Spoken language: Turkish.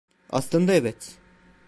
Aslında evet.